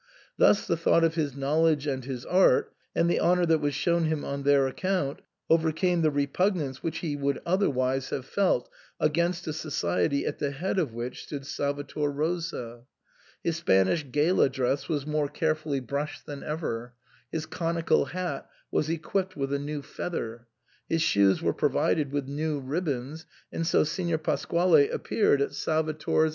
Thus the thought of his knowledge and his art, and the honour that was shown him on their account, over came the repugnance which he would otherwise have felt against a society at the head of which stood Sal vator Rosa His Spanish gala dress was more carefully brushed than ever ; his conical hat was equipped with a new feather ; his shoes were provided with new rib bons ; and so Signor Pasquale appeared at Salvator's 158 SIGN OR FORMICA.